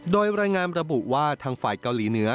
โดยรายงานระบุว่าทางฝ่ายเกาหลีเหนือ